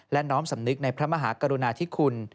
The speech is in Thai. และน้อมสำนึกในพระมหากรุณาธิคุณ